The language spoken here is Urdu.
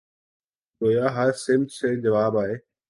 گویا ہر سمت سے جواب آئے